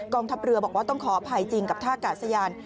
ทัพเรือบอกว่าต้องขออภัยจริงกับท่ากาศยาน